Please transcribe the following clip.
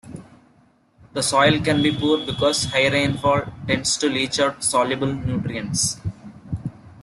The soil can be poor because high rainfall tends to leach out soluble nutrients.